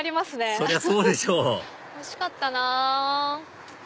そりゃそうでしょおいしかったな。